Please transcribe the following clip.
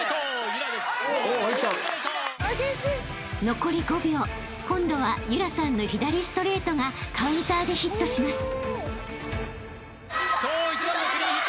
［残り５秒今度は夢空さんの左ストレートがカウンターでヒットします］